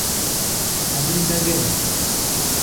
Amida ge.